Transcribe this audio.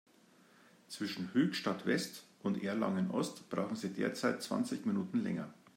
Zwischen Höchstadt-West und Erlangen-Ost brauchen Sie derzeit zwanzig Minuten länger.